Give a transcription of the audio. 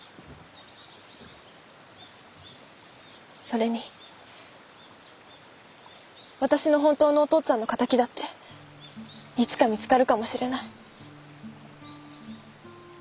それに私の本当のお父っつぁんの敵だっていつか見つかるかもしれない。